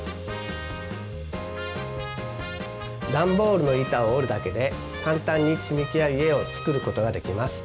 ダンボールの板を折るだけで簡単につみきや家を作ることができます。